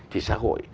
thì xã hội